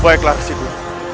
baiklah resi guru